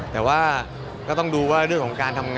แต่ว่าก็ต้องดูว่าด้วยของการทำอะไร